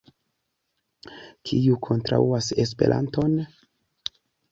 Kiu kontraŭas Esperanton?